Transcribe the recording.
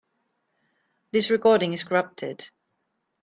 This recording is corrupted.